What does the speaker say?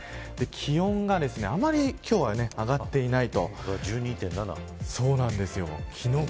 気温があまり今日は上がっていない。